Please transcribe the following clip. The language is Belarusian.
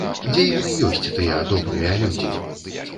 Дзе яны ёсць тыя добрыя людзі?